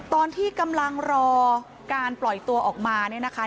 ตอนที่กำลังรอการปล่อยตัวออกมาเนี่ยนะคะ